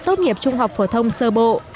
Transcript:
tốt nghiệp trung học vổ thông sơ bộ